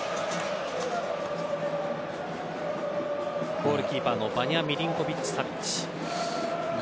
ゴールキーパーのヴァニャ・ミリンコヴィッチ・サヴィッチ。